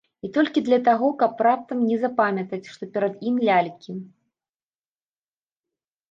І толькі для таго, каб раптам не запамятаць, што перад ім лялькі.